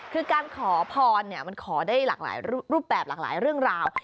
คือการขอพรมันขอได้หลากหลายรูปแบบหลากหลายเรื่องราว